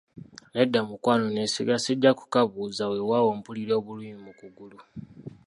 Nedda mukwano, neesiga, sijja kukabuza, weewaawo mpulira obulumi mu kugulu.